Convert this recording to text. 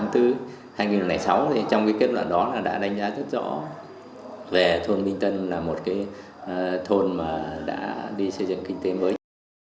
trong kết luận đó đã đánh giá rất rõ về thôn minh tân là một thôn đã đi xây dựng kinh tế mới